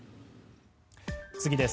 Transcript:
次です。